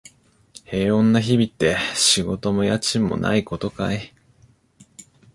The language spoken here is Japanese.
平穏な日々って、仕事も家賃もないことかい？